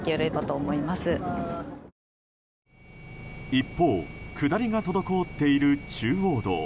一方、下りが滞っている中央道。